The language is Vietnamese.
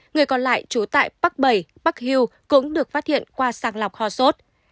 người còn lại trú tại bắc bảy bắc hiêu cũng được phát hiện qua sàng lọc ho sốt